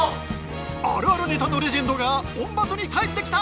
あるあるネタのレジェンドが「オンバト」に帰ってきた！